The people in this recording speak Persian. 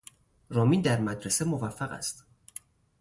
رامین در مدرسه موفق است.